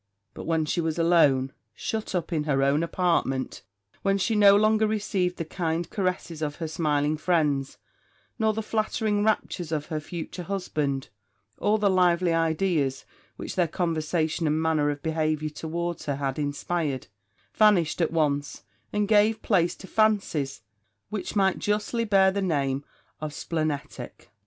But when she was alone, shut up in her own apartments when she no longer received the kind caresses of her smiling friends, nor the flattering raptures of her future husband all the lively ideas which their conversation and manner of behaviour towards her had inspired, vanished at once, and gave place to fancies, which must justly bear the name of splenetic.